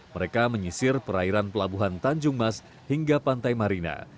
mereka menyisir perairan pelabuhan tanjung mas hingga pantai marina